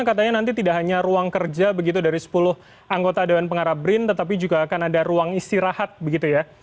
katanya nanti tidak hanya ruang kerja begitu dari sepuluh anggota dewan pengarah brin tetapi juga akan ada ruang istirahat begitu ya